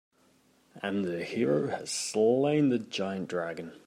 And the hero has slain the giant dragon.